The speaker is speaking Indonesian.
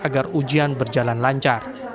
agar ujian berjalan lancar